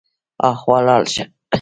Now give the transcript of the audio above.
هاخوا لاړ شه.